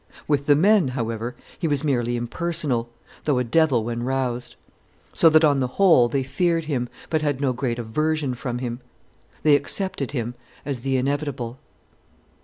With the men, however, he was merely impersonal, though a devil when roused; so that, on the whole, they feared him, but had no great aversion from him. They accepted him as the inevitable.